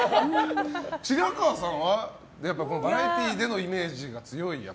白河さんは、バラエティーでのイメージが強い？